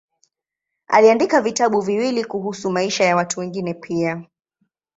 Aliandika vitabu viwili kuhusu maisha ya watu wengine pia.